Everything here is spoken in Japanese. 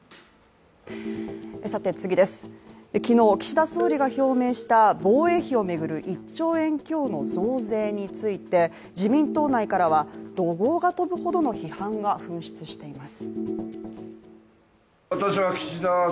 昨日、岸田総理が表明した防衛費を巡る１兆円強の増税について自民党内からは、怒号が飛ぶほどの批判が噴出しています。